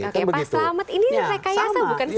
pak samad ini rekayasa bukan sih